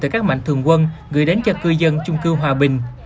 từ các mạnh thường quân gửi đến cho cư dân chung cư hòa bình